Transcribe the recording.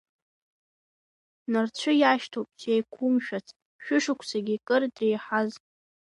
Нарцәы иашьҭоу сеиқәымшәац, шәышықәсагьы кыр дреиҳаз.